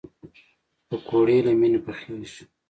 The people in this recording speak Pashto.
پکورې له مینې پخېږي